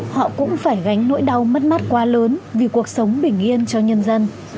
họ cũng phải gánh nỗi đau mất mát quá lớn vì cuộc sống bình yên cho nhân dân